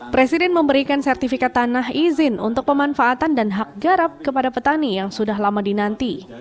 presiden memberikan sertifikat tanah izin untuk pemanfaatan dan hak garap kepada petani yang sudah lama dinanti